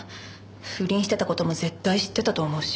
不倫してた事も絶対知ってたと思うし。